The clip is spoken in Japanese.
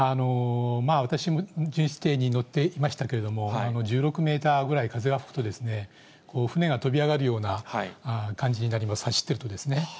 私も巡視艇に乗っていましたけれども、１６メーターぐらい風が吹くと、船が跳び上がるような感じになります、走っているとですね。